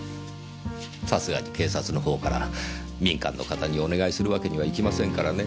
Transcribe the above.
さすがに警察の方から民間の方にお願いするわけにはいきませんからね。